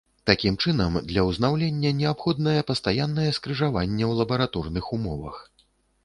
Такім чынам, для ўзнаўлення неабходнае пастаяннае скрыжаванне ў лабараторных умовах.